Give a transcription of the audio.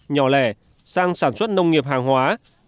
nhỏ lẻ sang sản xuất nông nghiệp hàng hóa